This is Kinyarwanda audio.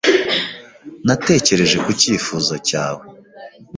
Natekereje ku cyifuzo cyawe.